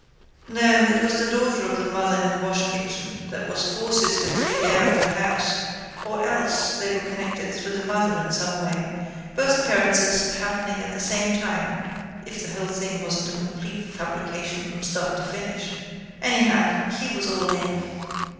No, it was the daughter of the mother in the washkitchen that was fostersister to the heir of the house or else they were connected through the mother in some way, both occurrences happening at the same time if the whole thing wasn't a complete fabrication from start to finish. Anyhow he was all in.